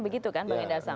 begitu kan bang hindarsam